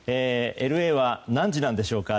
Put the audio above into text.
ＬＡは何時なんでしょうか。